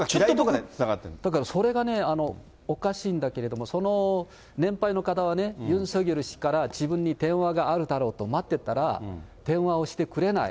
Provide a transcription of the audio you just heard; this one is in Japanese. だからそれがね、おかしいんだけれども、その年配の方は、ユン・ソギョル氏から自分に電話があるだろうと待ってたら、電話をしてくれない。